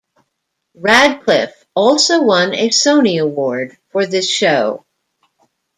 Radcliffe also won a Sony award for this show.